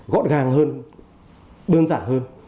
gót gàng hơn đơn giản hơn